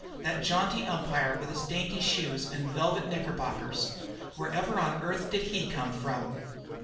That jaunty umpire with his dainty shoes and velvet knickerbockers, wherever on earth did he come from?